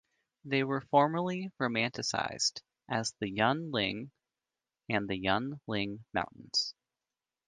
They were formerly romanized as the Yun Ling and as the Yun-ling Mountains.